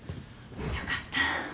よかった。